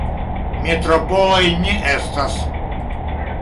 Metropoloj ne estas.